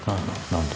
何で？